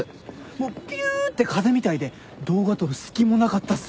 もうピュって風みたいで動画撮る隙もなかったっす。